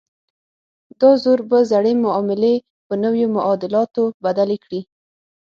دا زور به زړې معاملې په نویو معادلاتو بدلې کړي.